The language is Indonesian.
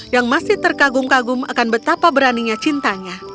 yang masih terkagum kagum akan betapa beraninya cintanya